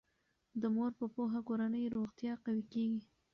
د مور په پوهه کورنی روغتیا قوي کیږي.